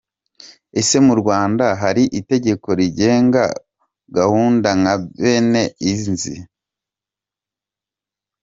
Ese mu Rwanda hari itegeko rigenga gahunda nka bene izi ?